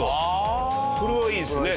あ！それはいいですね